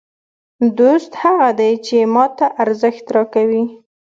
دوست هغه دئ، چي ما ته ارزښت راکوي.